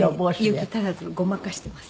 裄足らずをごまかしています。